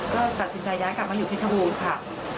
ก็ตัดสินใจย้ายกลับมาอยู่เพชรบูรณ์ค่ะ